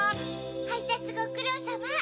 ・・はいたつごくろうさま